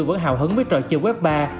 vẫn hào hứng với trò chơi web ba